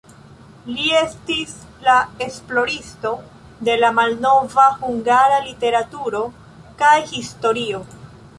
Li estis la esploristo de la malnova hungara literaturo kaj historio.